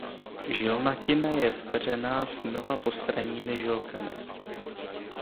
Žilnatina je zpeřená s mnoha postranními žilkami.